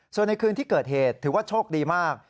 ส่วนในคืนที่เกิดเหตุถือว่าโชคดีมาก